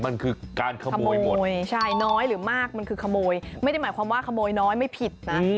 มันคือการขโมยใช่น้อยหรือมากมันคือขโมยไม่ได้หมายความว่าขโมยน้อยไม่ผิดนะ